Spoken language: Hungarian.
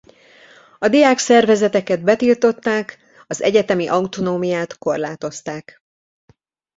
A diákszervezeteket betiltották az egyetemi autonómiát korlátozták.